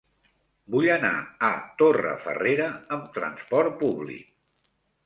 Vull anar a Torrefarrera amb trasport públic.